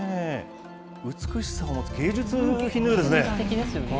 美しさも芸術品のようですね。